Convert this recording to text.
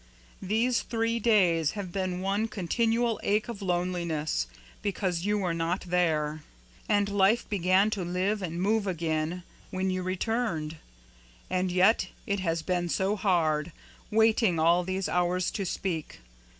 These three days have been one continual ache of loneliness, because you were not there; and life began to live and move again, when you returned. And yet it has been so hard, waiting all these hours to speak.